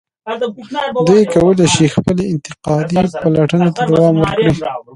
دوی کولای شي خپلې انتقادي پلټنې ته دوام ورکړي.